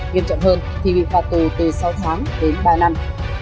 nghiêm trọng hơn thì bị phạt tù từ sáu tháng đến ba năm